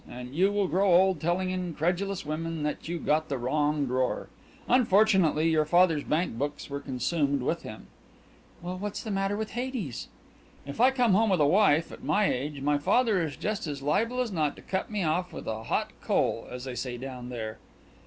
And you will grow old telling incredulous women that you got the wrong drawer. Unfortunately, your father's bank books were consumed with him." "Well, what's the matter with Hades?" "If I come home with a wife at my age my father is just as liable as not to cut me off with a hot coal, as they say down there."